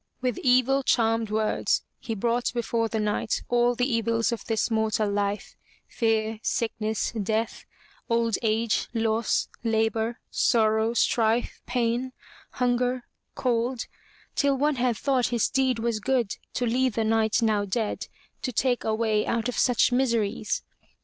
With evil charmed words he brought before the Knight all the evils of this mortal life, fear, sickness, death, old age, loss, labor, sor row, strife, pain, hunger, cold, till one had thought his deed was good to lead the knight now dead to take a way out of such mis eries.